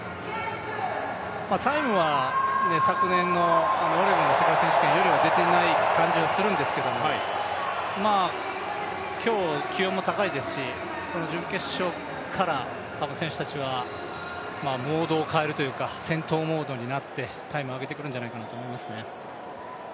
タイムは昨年のオレゴンの世界選手権よりは出ていない感じがするんですけれども、今日、気温も高いですし、準決勝から選手たちはモードを変えるというか、戦闘モードになってタイム上げてくるんじゃないかと思いますね。